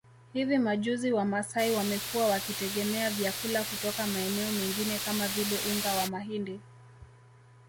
Hivi majuzi Wamasai wamekuwa wakitegemea vyakula kutoka maeneo mengine kama vile unga wa mahindi